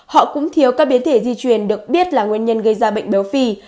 họ cũng thiếu các biến thể di chuyển được biết là nguyên nhân gây ra bệnh béo phi